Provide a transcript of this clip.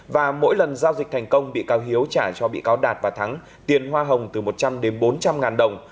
và mỗi lần giao dịch thành công bị cáo hiếu trả cho bị cáo đạt và thắng tiền hoa hồng từ một trăm linh đến bốn trăm linh ngàn đồng